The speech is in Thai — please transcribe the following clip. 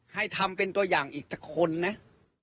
ให้ทำเป็นตัวอย่างอีกสักคนนะ